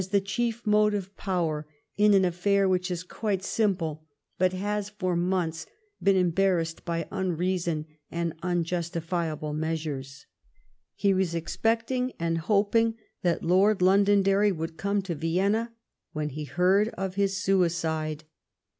GOVEBNMENT BY REPRESSION: 159 chief motive power in an affair which is quite simple, but lias for months been embarrassed by unreason and unjustifiable measures.' He was expecting and hoping that Lord Londonderry would come to Vienna when he heard of his suicide.